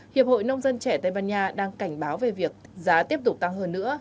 hiệp hội nông dân trẻ tây ban nha đang cảnh báo về việc giá tiếp tục tăng hơn nữa